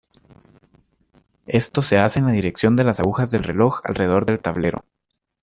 Esto se hace en la dirección de las agujas del reloj alrededor del tablero.